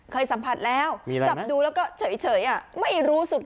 เคยสัมผัสแล้วจับดูแล้วก็เฉยไม่รู้สึก